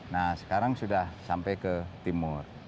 nah sekarang sudah sampai ke timur